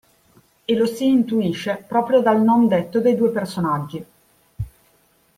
E lo si intuisce proprio dal non-detto dei due personaggi.